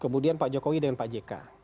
kemudian pak jokowi dengan pak jk